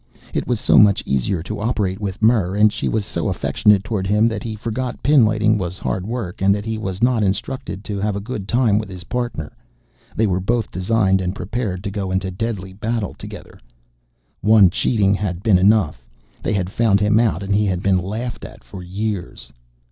It was so much easier to operate with Murr and she was so affectionate toward him that he forgot pinlighting was hard work and that he was not instructed to have a good time with his Partner. They were both designed and prepared to go into deadly battle together. One cheating had been enough. They had found him out and he had been laughed at for years.